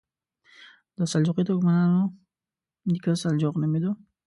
د سلجوقي ترکمنانو نیکه سلجوق نومېده.